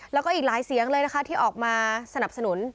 แล้วก็อีกหลายเสียงเลยนะคะที่ออกมาสนับสนุน